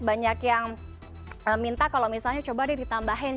banyak yang minta kalau misalnya coba deh ditambahin